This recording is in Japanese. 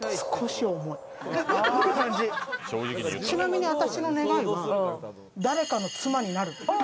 ちなみに私の願いは誰かの妻になること。